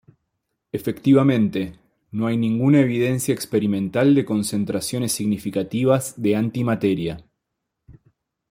Efectivamente, no hay ninguna evidencia experimental de concentraciones significativas de antimateria.